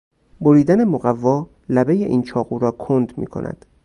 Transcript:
بریدن مقوا لبهی این چاقو را کند میکند.